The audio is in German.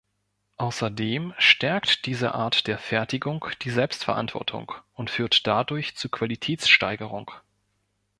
Außerdem stärkt diese Art der Fertigung die Selbstverantwortung und führt dadurch zu Qualitätssteigerung.